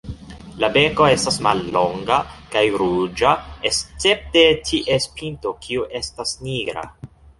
La beko estas mallonga kaj ruĝa escepte ties pinto kiu estas nigra.